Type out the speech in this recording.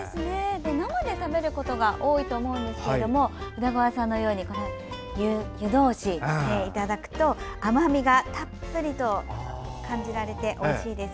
生で食べることが多いと思うんですが宇田川さんのように湯通しでいただくと甘みがたっぷりと感じられておいしいです。